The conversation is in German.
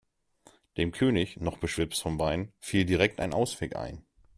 Dem König, noch beschwipst vom Wein, fiel direkt ein Ausweg ein.